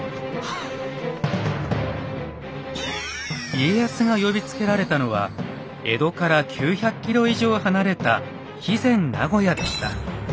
家康が呼びつけられたのは江戸から９００ｋｍ以上離れた肥前名護屋でした。